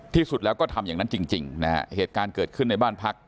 ที่สุดแล้วก็ทำอย่างนั้นจริงนะฮะเหตุการณ์เกิดขึ้นในบ้านพัก